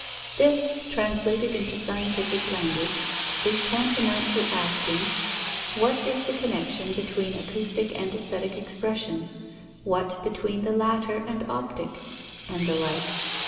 This, translated into scientific language, is tantamount to asking: What is the connexion between Acoustic and aesthetic expression? What between the latter and Optic? and the like.